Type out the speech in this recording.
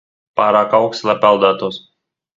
Pārāk auksts, lai peldētos.